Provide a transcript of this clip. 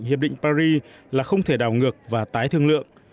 hiệp định paris là không thể đảo ngược và tái thương lượng